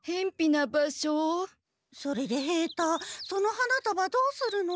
それで平太その花束どうするの？